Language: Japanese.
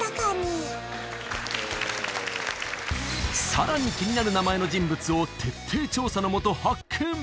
さらに気になる名前の人物を徹底調査のもと発見